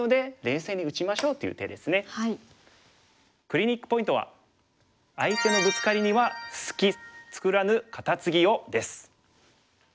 クリニックポイントは相手のブツカリには隙作らぬカタツギをです。